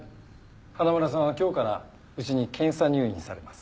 花村さんは今日からうちに検査入院されます。